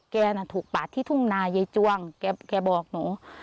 ถูกปาดที่ทุ่งนายายจวงแกบอกหนู